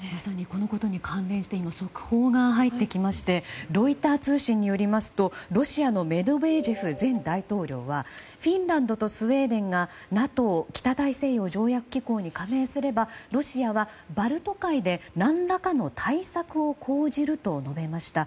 このことに関連して速報が入ってきましてロイター通信によりますとロシアのメドベージェフ前大統領はフィンランドとスウェーデンがＮＡＴＯ・北大西洋条約機構に加盟すればロシアはバルト海で何らかの対策を講じると述べました。